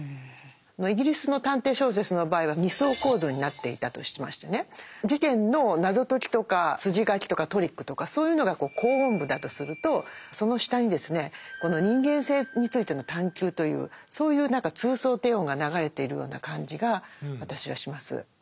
イギリスの探偵小説の場合は２層構造になっていたとしましてね事件の謎解きとか筋書きとかトリックとかそういうのが高音部だとするとその下にですねこの人間性についての探究というそういう何か通奏低音が流れているような感じが私はします。